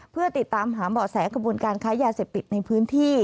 เพื่อติดตามหาเบาะแสกระบวนการค้ายาเสพติดในพื้นที่